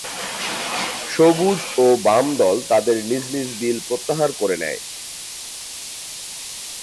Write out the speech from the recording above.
সবুজ ও বাম দল তাদের নিজ নিজ বিল প্রত্যাহার করে নেয়।